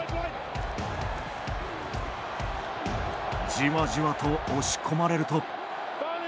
じわじわと押し込まれると。